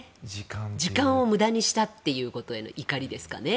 時間を無駄にしたっていうことへの怒りですかね。